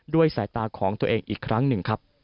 สายตาของตัวเองอีกครั้งหนึ่งครับ